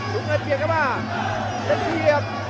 ลูกเงินเตียบนะครับและเทียบ